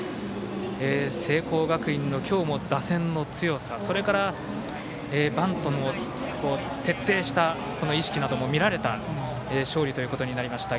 聖光学院の今日も打線の強さそれからバントの徹底した意識なども見られた勝利ということになりました。